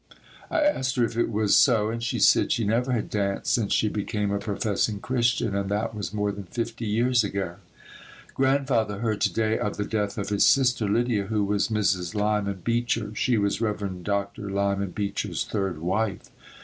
I asked her if it was so and she said she never had danced since she became a professing Christian and that was more than fifty years ago. Grandfather heard to day of the death of his sister, Lydia, who was Mrs. Lyman Beecher. She was Rev. Dr. Lyman Beecher's third wife.